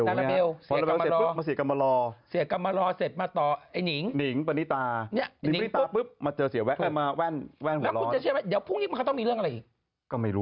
ลาเบลเสียกำลังมารอ